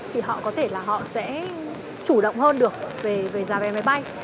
thì họ có thể là họ sẽ chủ động hơn được về giá vé máy bay